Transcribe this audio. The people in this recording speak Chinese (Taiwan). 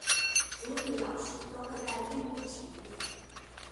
族語老師都會在綠幕前面